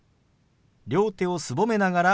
両手をすぼめながら下げます。